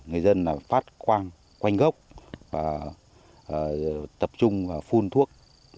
người dân là phát quanh gốc